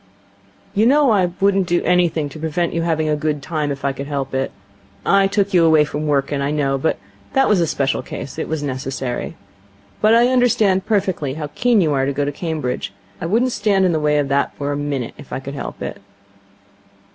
'You know I wouldn't do anything to prevent you having a good time, if I could help it. I took you away from Wrykyn, I know, but that was a special case. It was necessary. But I understand perfectly how keen you are to go to Cambridge, and I wouldn't stand in the way for a minute, if I could help it.'